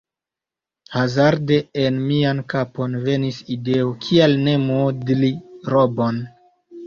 Hazarde en mian kapon venis ideo – kial ne modli robon?